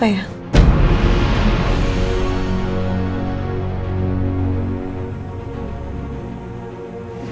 ternyata dia lagi nangis